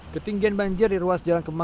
ketinggian banjir di ruas jalan kemang